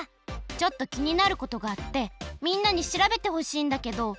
ちょっときになることがあってみんなにしらべてほしいんだけど。